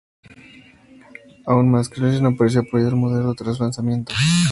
Aún más, Chrysler no pareció apoyar al modelo tras su lanzamiento.